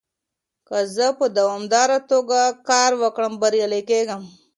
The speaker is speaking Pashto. که زه په دوامداره توګه کار وکړم، بريالی کېږم.